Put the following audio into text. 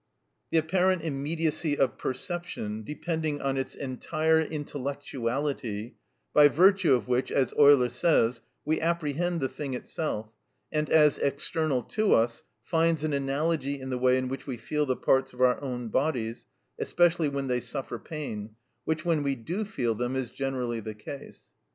The apparent immediacy of perception, depending on its entire intellectuality, by virtue of which, as Euler says, we apprehend the thing itself, and as external to us, finds an analogy in the way in which we feel the parts of our own bodies, especially when they suffer pain, which when we do feel them is generally the case.